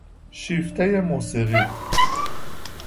شیفتهی موسیقی